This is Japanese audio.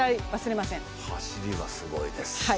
走りはすごいです。